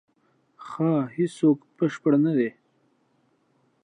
ښه، هیڅوک بشپړ نه دی.